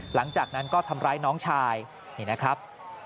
หลังจากนั้นก็ทำร้ายน้องชายนี่นะครับ